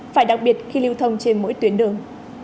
phải đặc biệt khi lưu thông trên mỗi tuyến đường